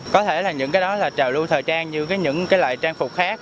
có thể là những cái đó là trào lưu thời trang như những cái loại trang phục khác